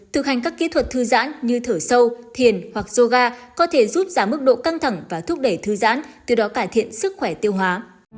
thực hành các kỹ thuật thư giãn như thở sâu thiền hoặc zoga có thể giúp giảm mức độ căng thẳng và thúc đẩy thư giãn từ đó cải thiện sức khỏe tiêu hóa